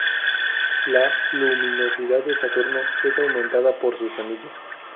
La luminosidad de Saturno es aumentada por sus anillos.